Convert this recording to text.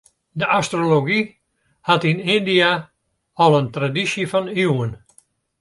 De astrology hat yn Yndia al in tradysje fan iuwen.